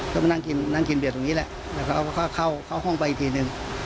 ก็มานั่งกินนั่งกินเบียดตรงนี้แหละแล้วก็เข้าห้องไปอีกทีหนึ่ง